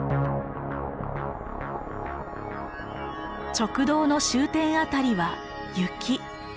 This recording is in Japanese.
直道の終点辺りは雪。